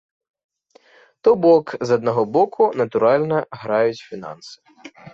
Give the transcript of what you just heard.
То бок, з аднаго боку, натуральна, граюць фінансы.